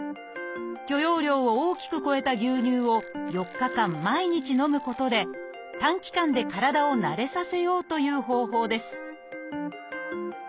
許容量を大きく超えた牛乳を４日間毎日飲むことで短期間で体を慣れさせようという方法です